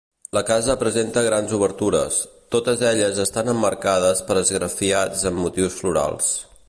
La casa presenta grans obertures, totes elles estan emmarcades per esgrafiats amb motius florals.